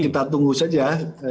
kita tunggu saja